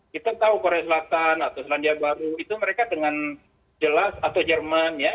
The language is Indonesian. kita tahu korea selatan atau selandia baru itu mereka dengan jelas atau jerman ya